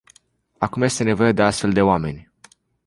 Acum este nevoie de astfel de oameni.